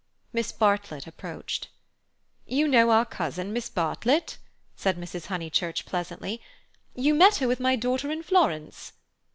Miss Bartlett approached. "You know our cousin, Miss Bartlett," said Mrs. Honeychurch pleasantly. "You met her with my daughter in Florence."